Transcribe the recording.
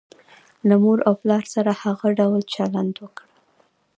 له مور او پلار سره هغه ډول چلند وکړه.